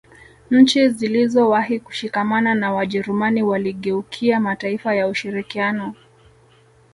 Nchi zilizowahi kushikamana na Wajerumani waligeukia mataifa ya ushirikiano